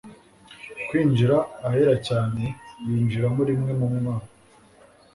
kwinjira ahera cyane yinjiragamo rimwe mu mwa